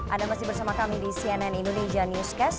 anda masih bersama kami di cnn indonesia newscast